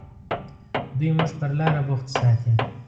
دوی موږ پر لاره بوخت ساتي.